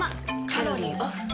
カロリーオフ。